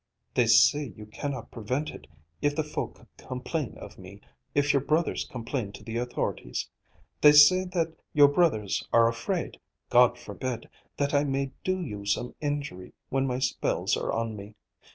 "They say that you cannot prevent it if the folk complain of me, if your brothers complain to the authorities. They say that your brothers are afraid—God forbid!—that I may do you some injury when my spells are on me.